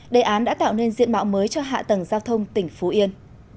đề án đã tạo nên diện mạo mới cho hạ tầng giao thông tỉnh phú yên